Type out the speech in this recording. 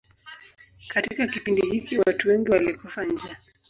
Katika kipindi hiki watu wengi walikufa njaa.